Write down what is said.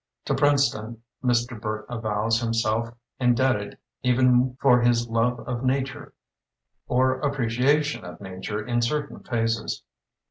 To Princeton, Mr. Burt avows himself indebted even for his love of nature or appreciation of nature in certain phases.